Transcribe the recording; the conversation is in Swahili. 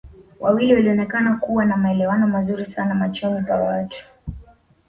Wawili walioonekana kuwa na maelewano mazuri sana machoni pa watu